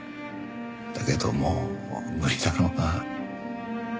だけどもう無理だろうな。